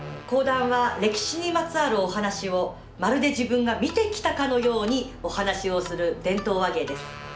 講談は歴史にまつわるお話をまるで自分が見てきたかのようにお話をする伝統話芸です。